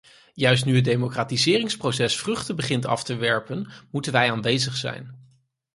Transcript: Juist nu het democratiseringsproces vruchten begint af te werpen moeten wij aanwezig zijn.